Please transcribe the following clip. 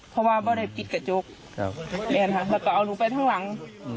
เพราะว่าไม่ได้ปิดกระจกแล้วก็เอาหนูไปข้างหลัง